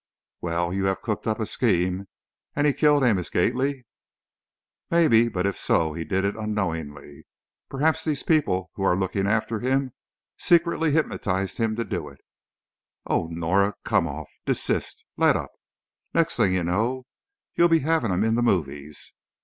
"Well, you have cooked up a scheme! And he killed Amos Gately?" "Maybe, but if so, he did it unknowingly. Perhaps these people who are looking after him, secretly hypnotized him to do it " "Oh, Norah! come off! desist! let up! Next thing you know you'll be having him in the movies!